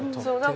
そう。